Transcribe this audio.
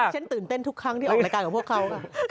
ฉันตื่นเต้นทุกครั้งที่ออกรายการกับพวกเขา